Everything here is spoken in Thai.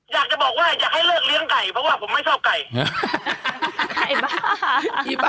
อยากจะบอกว่าอยากให้เลิกเลี้ยงไก่เพราะว่าผมไม่ชอบไก่บ้า